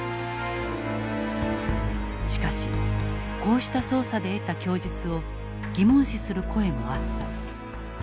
しかしこうした捜査で得た供述を疑問視する声もあった。